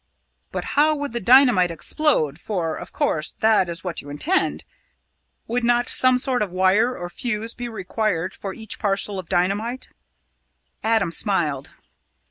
But how would the dynamite explode for, of course, that is what you intend. Would not some sort of wire or fuse he required for each parcel of dynamite?" Adam smiled.